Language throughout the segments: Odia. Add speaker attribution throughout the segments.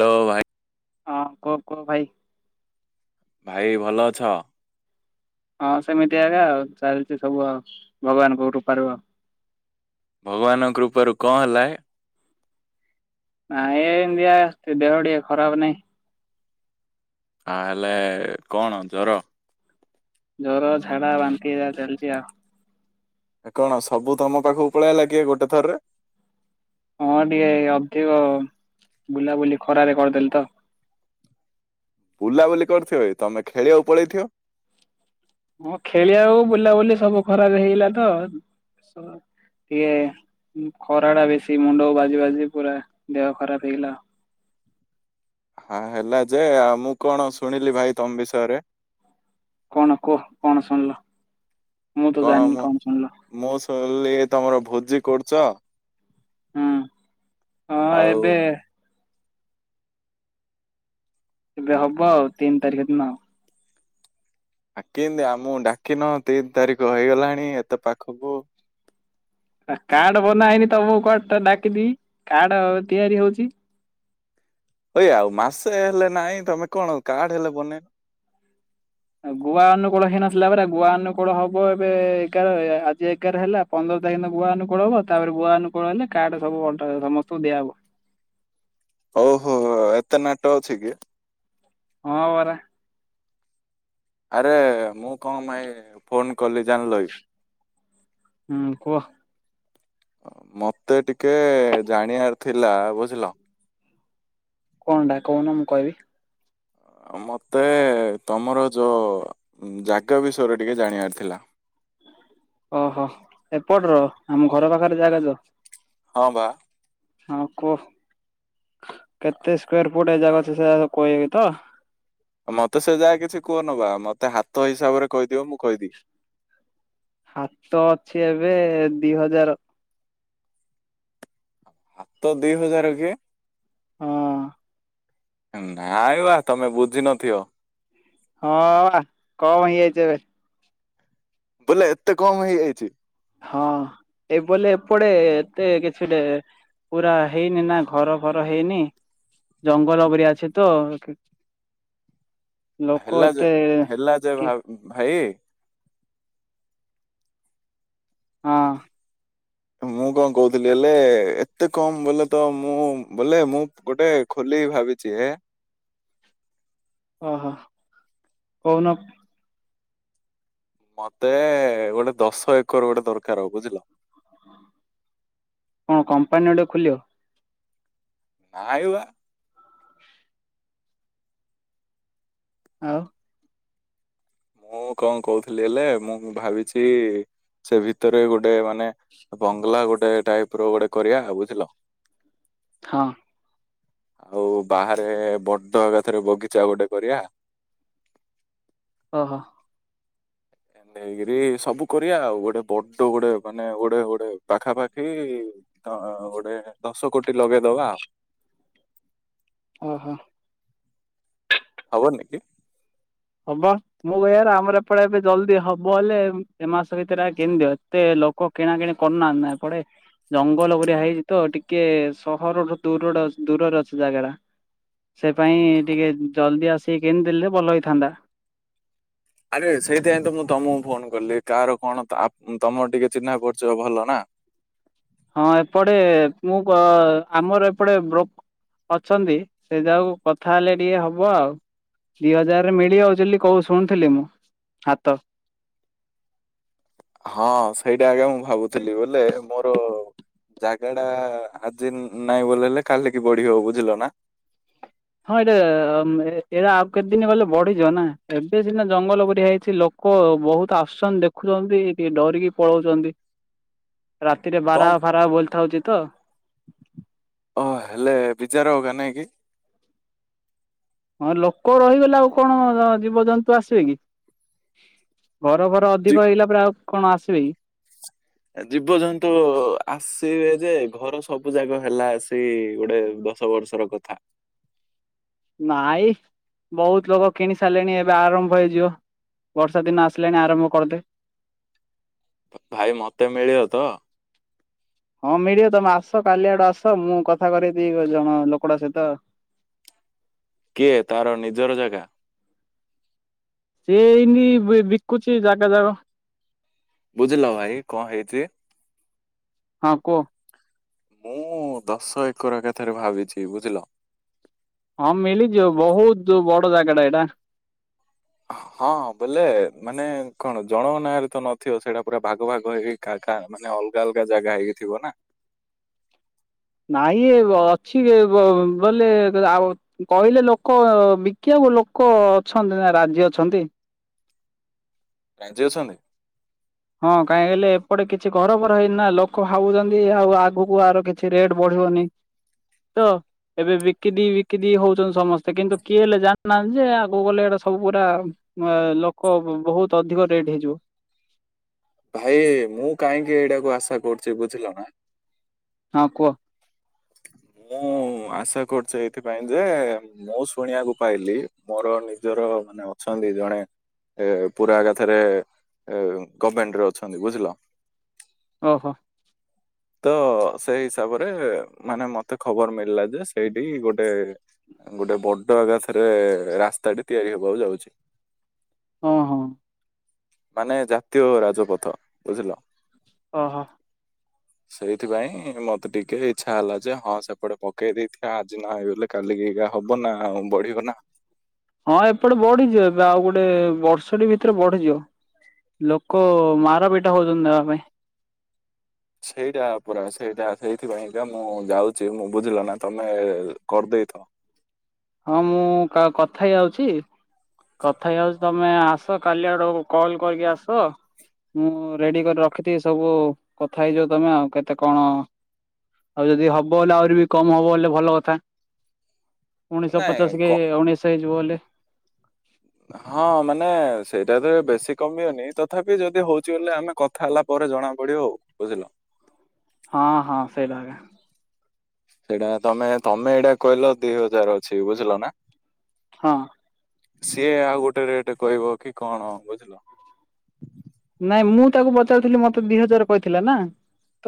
Speaker 1: ହ୍ୟାଲୋ ଭାଇ।
Speaker 2: ହଁ କୁହ କୁହ ଭାଇ।
Speaker 1: ଭାଇ ଭଲ ଅଛ।
Speaker 2: ହଁ ସେମିତି ଆଜ୍ଞା ଆଉ ଚାଲିଛି ସବୁ ଆଉ ଭଗବାନଙ୍କ କୃପାରୁ ଆଉ।
Speaker 1: ଭଗବାନଙ୍କ କୃପାରୁ କଣ ହେଲା?
Speaker 2: ନାଇଁ ଏମିତିିଆ ଆସୁଛି ଦେହ ଟିକିଏ ଖରାପ ନାହିଁ।
Speaker 1: ଆ ହେଲେ କଣ ଜର।
Speaker 2: ଜର ଝାଡା ବାନ୍ତି ଏଇଆ ଚାଲିଛି ଆଉ।
Speaker 1: ଏ କଣ ସବୁ ତମ ପାଖକୁ ପଲାଇଲା କିଏ ଗୋଟେ ଥରରେ?
Speaker 2: ହଁ, ଟିକେ ଅଧିକ ବୁଲାବୁଲି ଖରାରେ କରିଦେଲି ତ!
Speaker 1: ବୁଲାବୁଲି କରିୁଥିବ ବେ, ତମେ ଖେଳିବାକୁ ପଳେଇଥିବ!
Speaker 2: ହଁ, ଖେଳିଆକୁ ବୁଲାବୁଲି ସବୁ ଖରାରେ ହେଇଗଲା ତ, ସ ଟିଏ ଉଁ, ଖରା ଟା ବେଶୀ ମୁଣ୍ଡକୁ ବାଜି ବାଜି ପୁରା ଦେହ ଖରାପ ହେଇଗଲା।
Speaker 1: ହଁ, ହେଲା ଯେ, ଆଉ ମୁଁ କଣ ଶୁଣିଲି ଭାଇ ତମ ବିଷୟରେ?
Speaker 2: କଣ କୁହ? କଣ ଶୁଣ୍ ଲ।
Speaker 1: କଣ ମୁଁ! ମୁଁ, ଶୁଣିଲି ତମର ଭୋଜି କରୁଚ?
Speaker 2: ହୁଁ, ହଁ
Speaker 1: ଆଉ
Speaker 2: ଏବେ ଏବେ ହବ ଆଉ। ତିନ୍ ତାରିଖ ଦିନ।
Speaker 1: ଆ କିଁତି ଆମକୁ ଡାକିନ, ତିନି ତାରିଖ ହେଇଗଲାଣି ଏତେ ପାଖକୁ।
Speaker 2: ଆ କାର୍ଡ ବନା ହେଇନି, ତମକୁ କୁଆଡଟା ଡାକିବି କାର୍ଡ ତିଆରି ହଉଛି।
Speaker 1: ହୋଇ ଆ ମାସେ ହେଲେ ନାଇଁ, ତମେ କଣ କାର୍ଡ ହେଲେ ବନେ
Speaker 2: ଗୁଆ ଅନୁକୂଳ ହେଇନଥିଲା ପରା, ଗୁଆ ଅନୁକୂଳ ହବ ଏବେ, ଏଗାର ଆଜି ଏଗାର ହେଲା। ପନ୍ଦର ତାରିଖ ଦିନ ଗୁଆ ଅନୁକୂଳ ହବ। ତା'ପରେ ଗୁଆ ଅନୁକୂଳ ହେଲେ କାର୍ଡ ସବୁ ବଣ୍ଟା ସମସ୍ତଙ୍କୁ ଦିଆହବ।
Speaker 1: ଓହୋ! ଏତେ ନାଟ ଅଛି କି?
Speaker 2: ହଁ, ବରା।
Speaker 1: ଆରେ, ମୁଁ କଣ ପାଇଁ ଫୋନ୍ କଲି ଜାଣିଲ କି?
Speaker 2: ହୁଁ କୁହ?
Speaker 1: ମତେ ଟିକେ ଜାଣିଆର ଥିଲା, ବୁଝିଲ!
Speaker 2: କଣଟା କହୁନ ମୁଁ କହିବି?
Speaker 1: ମତେ ତମର ଯୋ ଜାଗା ବିଷୟରେ ଟିକେ ଜାଣିଆର ଥିଲା?
Speaker 2: ଓହୋ! ଏପଟ ର ଆମ ଘର ପାଖରେ ଜାଗା ଜ।
Speaker 1: ହଁ, ବା।
Speaker 2: ହଁ, କୁହ, କେତେ ସ୍କୋୟାର୍ ଫୁଟ୍ ଏଇ ଜାଗ ଅଛି, ସେୟା ସ କହିଆକୁ ତ?
Speaker 1: ମତେ ସେ ଯାଗା କିଛି କୁହନା ବା, ମତେ ହାତ ହିସାବରେ କହିଦିବ ମୁଁ କହିଦି
Speaker 2: ହାତ ଅଛି ଏବେ, ଦି ହଜାର।
Speaker 1: ହାତ ଦି ହଜାର କିଏ।
Speaker 2: ହଁ।
Speaker 1: ନାଇବା ତମେ ବୁଝିିନଥିବ?
Speaker 2: ହଁ, ବା କମ୍ ହେଇଯାଇଛି ଏବେ!
Speaker 1: ବୋଲେ, ଏତେ କମ୍ ହେଇଯାଇଛି!
Speaker 2: ହଁ, ଏଇ ବୋଲେ ଏପଡେ, ଏତେ କିଛି ଡେ ପୁରା ହେଇନି ନା, ଘର ଫର ହେଇନି। ଜଙ୍ଗଲ ପରିକା ଅଛି ତ କି
Speaker 1: ହେଲା ଯେ, ହେଲା ଯେ,
Speaker 2: କି
Speaker 1: ଭା-ଭାଇ
Speaker 2: ହଁ।
Speaker 1: ମୁଁ କଣ କହୁଥିଲି ହେଲେ, ଏତେ କମ୍ ବଲେ ତ, ମୁଁ ବଲେ ମୁଁ ଗୋଟେ ଖୋଲି ଭାବିଚି ଏ
Speaker 2: ଓହୋ! କହୁନ?
Speaker 1: ମତେ-ଏ ଗୋଟେ ଦଶ ଏକର ଗୋଟେ ଦରକାର ହ ବୁଝିଲ।
Speaker 2: କଣ କମ୍ପାନୀ ଗୋଟେ ଖୁଲିଅ?
Speaker 1: ନାଇବା।
Speaker 2: ଆଉ।
Speaker 1: ମୁଁ କଣ କହୁଥିଲି ହେଲେ, ମୁଁ ଭାବିଛି, ସେ ଭିତରେ ଗୋଟେ ମାନେ ବଙ୍ଗଲା, ଗୋଟେ ଟାଇପ୍ ର ଗୋଟେ କରିଆ। ବୁଝିଲ?
Speaker 2: ହଁ।
Speaker 1: ଆଉ ବାହାରେ ବଦ ଏକା ଥରେ ବଗିଚା ଗୋଟେ କରିବା।
Speaker 2: ଓହୋ।
Speaker 1: ନେଇକିରି ସବୁ କରିବା ଆଉ ଗୋଟେ ବଡ ଗୋଟେ ମାନେ ଗୋଟେ ଗୋଟେ ପାଖାପାଖି ତ ଗୋଟେ ଦଶ କୋଟି ଲଗେଇଦବା ଆଉ।
Speaker 2: ଓହୋ।
Speaker 1: ହବନି କି?
Speaker 2: ହବ ମୁଁ କହିବାର ଆମର ଏପଟେ ଏବେ ଜଲଦି ହବ ହେଲେ, ଏ ମାସ ଭିତରେ ଆ କେମିତି ହବ ଏତେ ଲ କ କିଣାକିଣି କରୁ ନାହାଁନ୍ତି ନା ଏପଟେ। ଜଙ୍ଗଲ ପରିଆ ହେଇଛି ତ ଟିକେ ସହରଠୁ ଦୂର ଦୂରରେ ଅଛି ଜାଗା ଟା।
Speaker 1: [inaudible]
Speaker 2: ସେ ପାଇଁ ଟିକେ ଜଲଦି ଆସିକି କିଣି ଦେଲେ ଭଲ ହେଇଥାନ୍ତା।
Speaker 1: ଆରେ ସେଇଥିପାଇଁ ତ ମୁଁ ତମକୁ ଫୋନ କଲି କାହାର କଣ ତମର ଟିକେ ଚିହ୍ନା ପଚିବ ଭଲ ନା।
Speaker 2: ହଁ ଏପଟେ ମୁଁ ପ ଆମର ଏପଟେ ବ୍ରୋ ଅଛନ୍ତି ସେଇ ଯାକୁ କଥା ହେଲେ ଟିକେ ହବ ଆଉ। ଦି ହଜାରରେ ମିଳିଯାଉଚି ବୋଲି କୋଉ ଶୁଣୁଥିଲି ମୁଁ ହାତ
Speaker 1: ହଁ ସେଇଟା ଆଜ୍ଞା ମୁଁ ଭାବୁଥିଲି ବୋଲେ ମୋର ଜାଗା ଟା ଆଜି ନାଇଁ ବଲେ ହେଲେ କାଲି କି ବଢିବ ବୁଝିଲ ନା।
Speaker 2: ହଁ ଏଇଟା ଅ ଏଇଟା ଆଉ କେତେ ଦିନ ଗଲେ ବଢିଯିବ ନା ଏବେ ସିନା ଜଙ୍ଗଲ ପରିଆ ହେଇଛି ଲୋ କ ବହୁତ ଆସୁଛନ୍ତି ଦେଖୁଛନ୍ତି ଟିକେ ଡରିକି ପଳଉଛନ୍ତି। ରାତିରେ ବାରା
Speaker 1: କଣ
Speaker 2: ଫାରା ବୁଲି ଥାଉଛି ତ।
Speaker 1: ଓ ହେଲେ ବିଯାର ହଉ କା ନାହିଁ କି?
Speaker 2: ହଁ ଲୋକ ରହିଗଲେ ଆଉ କଣ ଜୀବଜନ୍ତୁ ଆସିବେ କି? ଘର ଫର
Speaker 1: ଜୀ
Speaker 2: ଅଧିକ ହେଇଗଲା ପରେ ଆଉ କଣ ଆସିବେକି।
Speaker 1: ଜୀବଜନ୍ତୁ ଆସିବେ ଯେ ଘର ସବୁ ଯାଗ ହେଲା ସେ ଗୋଟେ ବ ଛ ବର୍ଷର କଥା।
Speaker 2: ନାଇଁ ବହୁତ ଲୋକ କିଣି ସାରିଲେଣି ଏବେ ଆରମ୍ଭ ହେଇଯିବ। ବର୍ଷା ଦିନ ଆସିଲାଣି ଆରମ୍ଭ କରିଦେବେ।
Speaker 1: ଭାଇ ମତେ ମିଳିବ ତ।
Speaker 2: ହଁ ମିଳିବ ତମେ ଆସ କାଲି ଆଡେ ଆସ ମୁଁ କଥା କରେଇ ଦେ ଜଣ ଲୋକଟା ସହିତ।
Speaker 1: କିଏ ତାର ନିଜର ଜାଗା।
Speaker 2: ଏଇନି ବି ବିକୁଛି ଜାଗା ଜାଗ।
Speaker 1: ବୁଝିଲ ଭାଇ କଣ ହେଇଛି?
Speaker 2: ହଁ କୁହ।
Speaker 1: ମୁଁ ଦଶ ଏକର ଏକା ଥରେ ଭାବିଛି ବୁଝିଲ।
Speaker 2: ହଁ ମିଳିଯିବ ବହୁତ ବଡ ଜାଗାଟା ଏଟା।
Speaker 1: ହଁ ବୋଲେ ମାନେ କଣ ଜଣ ନାଁ ରେ ତ ନଥିବ ସେଇଟା ପୁରା ଭାଗ ଭାଗ ହେଇ କା କା ମାନେ ଅଲଗା ଅଲଗା ଜାଗା ହେଇକିଥିବ ନା।
Speaker 2: ନହିଁ ଏ ଅଛି ଅ ଅ ବୋଲେ ଆଉ କହିଲେ ଲୋକ ବିକିବାକୁ ଲୋକ ଅଛନ୍ତି ନା ରାଜି ଅଛନ୍ତି।
Speaker 1: ରାଜିି ଅଛନ୍ତି।
Speaker 2: ହଁ କାହିଁକଲେ ଏପଟେ କିଛି ଘରଫର ହେଇନି ନା ଲୋକ ଭାବୁଛନ୍ତି ଆଉ ଆଗକୁ ଆର କେ ଛି ରେଟ ବଢିବନି ତ। ଏବେ ବିକିଦି ବିକିଦି ହଉଛନ୍ତି ସମସ୍ତେ କିନ୍ତୁ କିଏ ହେଲେ ଜାଣିନାହାନ୍ତି ଯେ ଆଗକୁ ଗଲେ ଏଇଟା ସବୁ ପୁରା ଲୋକ ବହୁତ ଅଧିକ ରେଟ୍ ହେଇଯିବ।
Speaker 1: ଭାଇ ମୁଁ କାହିଁକି ଏଇଟାକୁ ଆଶା କରୁଛି ବୁଝିଲ ନା
Speaker 2: ହଁ କୁଅ
Speaker 1: ମୁଁ ଆଶା କରୁଛି ଏଇଥିପାଇଁ ଯେ ମୁଁ ଶୁଣିବାକୁ ପାଇଲି ମୋର ନିଜର ମାନେ ଅଛନ୍ତି ଜଣେ ଏ ପୁରା ଏକାରେ ଗମେଣ୍ଟରେ ଅଛନ୍ତି ବୁଝଲ୍
Speaker 2: ଓହୋ
Speaker 1: ତ ସେଇ ହିସାବରେ ମାନେ ମତେ ଖବର ମିଳିଲା ଯେ ସେଇଠି ଗୋଟେ ଗୋଟେ ବଡ ଏକାଥରେ ରାସ୍ତାଟି ତିଆରି ହେବାକୁ ଯାଉଛି
Speaker 2: ହଁ ହଁ
Speaker 1: ମାନେ ଜାତୀୟ ରାଜପଥ ବୁଝିଲ
Speaker 2: ଓ ହୋ
Speaker 1: ସେଇଥିପାଇଁ ମତେ ଟିକେ ଇଚ୍ଛା ହେଲା ଯେ ହଁ ସେପଟେ ପକେଇ ଦେଇଥିବା ଆଜି ନ ହେଲେ କାଲିକି ହବ ନା ଆଉ ବଢିବ ନା
Speaker 2: ହଁ ଏପଟେ ବଢିଯିବ ଏବେ ଆଉ ଗୋଟେ ବର୍ଷଟି ଭିତରେ ବଢିଯିବ ଲୋକ ମାରପିଟା ହେଉଛନ୍ତି ନବା ପାଇଁ
Speaker 1: ସେଇଟା ପରା ସେଇଟା ସେଇଥିପାଇଁକା ମୁଁ ଯାଉଛି ମୁଁ ବୁଝିଲ ନା ତମେ କର୍ଦେଇଥ
Speaker 2: ହଁ ମୁଁ କା କଥା ହେଇ ଯାଉଛି କଥା ହେଇଯାଉଛି ତମେ ଆସ କାଲି ଆଡକୁ କଲ୍ କରିକି ଆସ ମୁଁ ରେଡ଼ି କରି ରଖିଥିବି ସବୁ କଥା ହେଇଯିବ ତମେ ଆଉ କେତେ କଣ ଆଉ ଯଦି ହବ ହେଲେ ଆହୁରି ବି କମ୍ ହବ ହେଲେ ଭଲ କଥା ଉଣେଇଶହ
Speaker 1: ନାଇଁ
Speaker 2: ପଚାଶ
Speaker 1: କ
Speaker 2: କି ଉଣେଇଶହ ହେଇଯିବ ହେଲେ
Speaker 1: ହ ହଁ ମାନେ ସେଇଟା ତ ବେଶୀ କମିବନି ତଥାପି ଯଦି ହଉଛି ବ ଆମେ କଥା ହେଲା ପରେ ଜଣା ପଡ଼ିବ ଆଉ ବୁଝ୍ଲ
Speaker 2: ହଁ ହଁ ସେଇଟା ଏକା
Speaker 1: ସେଇଟା ତମେ ତମେ ଏଇଟା କହିଲ ଦି ହଜାର ଅଛି ବୁଝ୍ଲ ନା
Speaker 2: ହଁ
Speaker 1: ସିଏ ଆଉ ଗୋଟେ ରେଟ କହିବ କି କଣ ବୁଝ୍କ
Speaker 2: ନାଇଁ ମୁଁ ତାକୁ ପଚାରୁଥିଲି ମତେ ଦି ହଜାର କହିଥିଲା ନା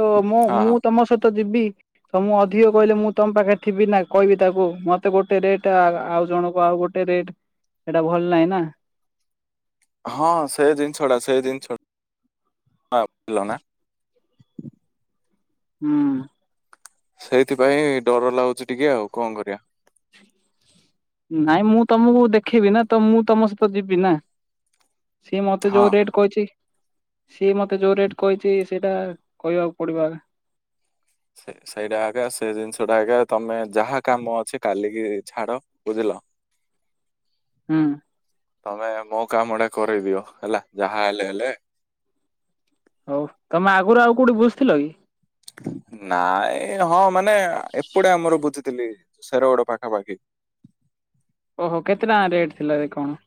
Speaker 2: ତ ମୁ
Speaker 1: ହଁ ହଁ
Speaker 2: ମୁଁ ତମ ସହିତ ଯିବି ତ ମୁଁ ଅଧିକ କହିଲେ ମୁଁ ତମ ପାଖେ ଥିବି ନା କହିବି ତାକୁ ମତେ ଗୋଟେ ରେଟ୍ ଆଉ ଜଣକ ଆଉ ଗୋଟେ ଗୋଟେ ରେଟ୍ ଏଟା ଭଲ୍ ନାହିଁ ନା
Speaker 1: ହଁ ସେ ଜିନିଷ ଟା ସେ ଜିନିଷି ଭଲ ନା
Speaker 2: ହୁଁ
Speaker 1: ସେଇଥିପାଇଁ ଡର ଲାଗୁଛି ଟିକେ ଆଉ କଣ କରିବା
Speaker 2: ନାଇଁ ମୁଁ ତମକୁ ଦେଖେଇବି ନା ତ ମୁଁ ତମ ସହିତ ଯିବି ନା ସିଏ ମୋତେ
Speaker 1: ହଁ
Speaker 2: ଯୋଉ ରେଟ୍ କହିଛି ସିଏ ମତେ ଯୋଉ ରେଟ କହିଛି ସେଇଟା କହିବାକୁ ପଡିବ ଏକା
Speaker 1: ସେ ସେଇଟା ସେ ଜିନିଷଟା ତମେ ଯାହା କାମ ଅଛି କାଲିକି ଛାଡ ବୁଝିଲ
Speaker 2: ହଁ
Speaker 1: ତମେ ମୋ କାମଟା କରେଇଦିଅ ହେଲା ଯାହା ହେଲେ ହେଲେ
Speaker 2: ହଉ ତମେ ଆଗରୁ ଆଉ କୋଉଠି ବୁଝଥିଲ କି
Speaker 1: ନାଇଁ ହଁ ମାନେ ଏପଟେ ଆମର ବୁଝିଥିଲି ସେରଗୋଡ ପାଖାପାଖି
Speaker 2: ଓହୋ କେତେ ଟଙ୍କା ରେଟ୍ ଥିଲା ଯେ କଣ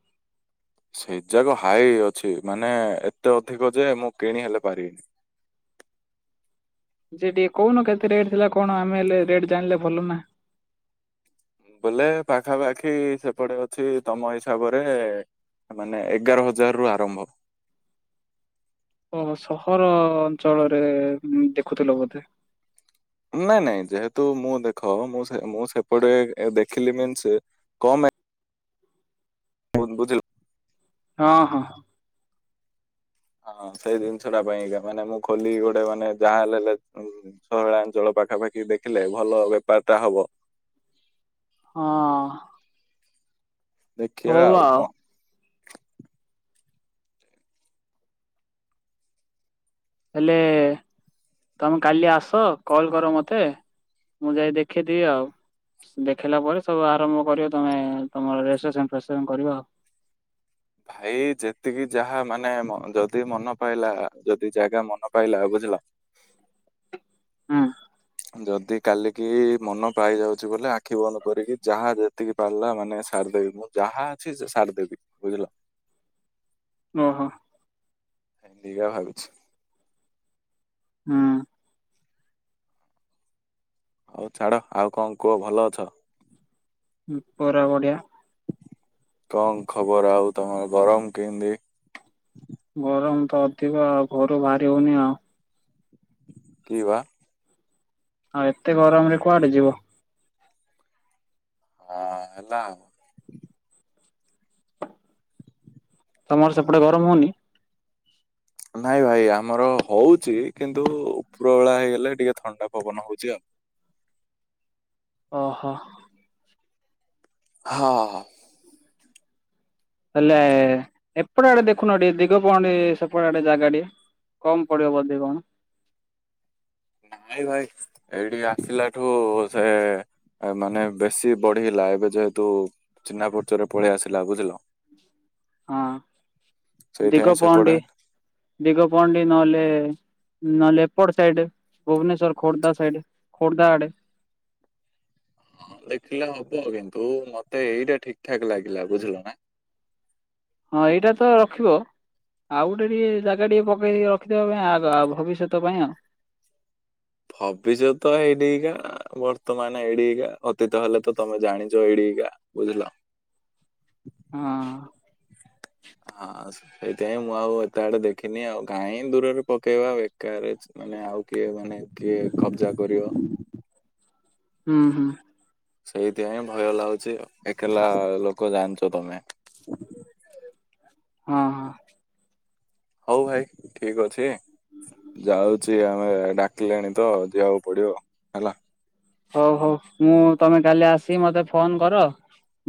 Speaker 1: ସେଇ ଯାକ ହାଇ ଅଛି ମାନେ ଏତେ ଅଧିକ ଯେ ମୁଁ କିଣି ହେଲେ ପାରିବି
Speaker 2: ଯେ ଟିକେ କହୁନ କେତେ ରେଟ୍ ଥିଲା କଣ ଆମେ ହେଲେ ରେଟ ଜାିଣିଲେ ଭଲ ନା
Speaker 1: ବୋଲେ ପାଖାପାଖି ସେପଟେ ଅଛି ତମ ହିସାବରେ ମାନେ ଏଗାର ହଜାର ରୁ ଆରମ୍ଭ।
Speaker 2: ଓ ସହର ଅଞ୍ଚଳରେ ଦେଖୁଥିଲ ବୋଧେ।
Speaker 1: ନାଇଁ ନାଇଁ ଯେହେତୁ ମୁଁ ଦେଖ ମୁଁ ମୁଁ ସେପଟେ ଦେଖିଲି ମି କ ବହୁ ବୁଝିଲୁ
Speaker 2: ହଁ ହଁ।
Speaker 1: ହଁ ସେଇ ଜିନିଷ ଟା ପାଇଁକା ମାନେ ମୁଁ ଖୋଲି ଗୋଟେ ମାନେ ଯାହା ହେଲେ ଲେ ସହରାଞ୍ଚଳ ପାଖାପାଖି ଦେଖିଲେ ଭଲ ବେପାର ଟା ହବ।
Speaker 2: ହଁ।
Speaker 1: ଦେଖିବା ଆଉ କଣ?
Speaker 2: ହେଲେ ତମେ କାଲି ଆସ କଲ୍ କର ମତେ ମୁଁ ଯାଇ ଦେଖେଇଦେବି ଆଉ। ଦେଖେଇିଲା ପରେ ସବୁ ଆରମ୍ଭ କରିବ ତମେ ତମର ରେଜିଷ୍ଟ୍ରେସନ ଫେଷ୍ଟ୍ରେସନ କରିବ ଆଉ।
Speaker 1: ଭାଇ ଯେତିକି ଯାହା ମାନେ ମ ଯଦି ମନ ପାଇଲା ଯଦି ଜାଗା ମନ ପାଇଲା ବୁଝିଲ
Speaker 2: ହଁ।
Speaker 1: ଯଦି କାଲିକି ମନ ପାଇଯାଉଛି ବୋଲେ ଆଖି ବନ୍ଦ କରିକି ଯାହା ଯେତିକି ପାରିଲା ମାନେ ସାରିଦେଇଥିବ। ଯାହା ଅଛି ସେ ସାରଦବି ବୁଝିଲ।
Speaker 2: ଓହୋ।
Speaker 1: ଏଇଗା ଭାବିଛି।
Speaker 2: ଉଁ।
Speaker 1: ହଉ ଛାଡ ଆଉ କଣ କୁହ ଭଲ ଅଛ?
Speaker 2: ପରା ବଡିଆ।
Speaker 1: କଣ ଖବର ଆଉ ତମର ଗରମ କେମିତି?
Speaker 2: ଗରମ ତ ଅଧିକ ଆଉ ଘରୁ ବାହାରି ହଉନି ଆଉ।
Speaker 1: କି ବା।
Speaker 2: ଆଉ ଏତେ ଗରମ ରେ କୁଆଡେ ଯିବ?
Speaker 1: ହଁ ହେଲା।
Speaker 2: ତମର ସେପଟେ ଗରମ ହଉନି?
Speaker 1: ନାଇଁ ଭାଇ ଆମର ହଉଛି କିନ୍ତୁ ଉପର ବଳା ହେଇଗଲେ ଟିକେ ଥଣ୍ଡା ପବନ ହଉଛି ଆଉ।
Speaker 2: ଓହୋ।
Speaker 1: ହ ଅ।
Speaker 2: ହେଲେ ଏପଟେ ଆଡେ ଦେଖୁନ ଟିକେ ଦିଗ ପହଣ୍ଡି ସେପଟେ ଆଡେ ଜାଗା ଟେ କମ୍ ପଡ଼ିବ ବଧେ କଣ?
Speaker 1: ନାଇଁ ଭାଇ ଏଇଠି ଆସିଲା ଠୁ ସେ ମାନେ ବେଶୀ ବଢିଲା ଏବେ ଯେହେତୁ ଚିହ୍ନା ପର୍ଚରେ ପଳେଇ ଆସିଲା ବୁଝିଲ।
Speaker 2: ହଁ
Speaker 1: ସେଇଥିପାଇଁ
Speaker 2: ଦିଗ
Speaker 1: ସେପଟେ
Speaker 2: ପହଣ୍ଡି ଦିଗ ପହଣ୍ଡି ନହେଲେ ନହଲେ ଏପଟ ସାଇଡ ଭୁବନେଶ୍ଵର ଖୋର୍ଦ୍ଧା ସାଇଡ ଖୋର୍ଦ୍ଧା ଆଡେ
Speaker 1: ହଁ ଦେଖିଲେ ହବ କିନ୍ତୁ ମତେ ଏଇଟା ଠିକ ଠାକ୍ ଲାଗିଲା ବୁଝିଲ ନା।
Speaker 2: ହଁ ଏଇଟା ତ ରଖିବ। ଆଉ ଗୋଟେ ଟିକେ ଜାଗା ଟିକେ ପକେଇକି ରଖିଦବା ପାଇଁ ଆଗ ଭବିଷ୍ୟତ ପାଇଁ ଆଉ।
Speaker 1: ଭବିଷ୍ୟତ ହେଇନିକା ବର୍ତ୍ତମାନ ଏଡିିକା ଅତୀତ ହେଲେ ତ ତମେ ଜାଣିଛ ଏଡିିକା ବୁଝିଲ।
Speaker 2: ହଁ।
Speaker 1: ହଁ ସେଇଥିପାଇଁ ମୁଁ ଆଉ ଏତେ ଆଡେ ଦେଖିନି ଆଉ କାଁଁଇ ଦୂରରେ ପକେଇବା ବେକାର। ମାନେ ଆଉ କିଏ ମାନେ କିଏ କବ୍ଜା କରିବ।
Speaker 2: ହୁଁ ହୁଁ
Speaker 1: ସେଇଥିପାଇଁ ଭୟ ଲାଗୁଛି ଏକଲା ଲୋକ ଜାଣିଛ ତମେ।
Speaker 2: ହଁ ହଁ
Speaker 1: ହଉ ଭାଇ ଠିକ ଅଛି ଯାଉଛି ଆମେ ଡା ଡାଲେଣି ତ ଯିବାକୁ ପଡିବ ହେଲା।
Speaker 2: ହଉ ହଉ, ମୁଁ ତମେ କାଲି ଆସିିକି ମତେ ଫୋନ କର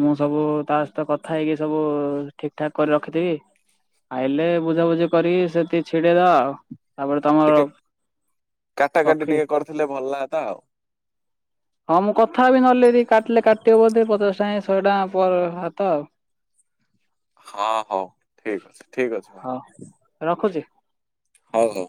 Speaker 2: ମୁଁ ସବୁ, ତା ସହିତ କଥା ହେଇକି ସବୁ ଠିକ ଠାକ୍ କରି ରଖିଥିବି। ଆଇଲେ ବୁଝାବୁଝି କରି ସେଠି ଛିଡେଇଦବା ଆଉ। ତାପରେ ତମର
Speaker 1: ଟିକେ
Speaker 2: ରଖିଲି।
Speaker 1: ଥିଲେ ଭଲ ଲାଗତା ଆଉ।
Speaker 2: ହଁ ମୁଁ କଥା ହେବି ନହେଲେ, ଯଦି କାଟିଲେ କାଟିବ ବୋଧେ ପଚାଶ ଟଙ୍କା ଶହେ ଟଙ୍କା ପର ହାତ ଆଉ।
Speaker 1: ହଁ ହଉ ଠିକ୍ ଅଛି ଠିକ୍ ଅଛି ଭାଇ।
Speaker 2: ଆଉ। ରଖୁଛି।
Speaker 1: ହଉ ହଉ।